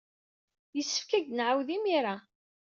Yessefk ad ak-d-nɛawed imir-a.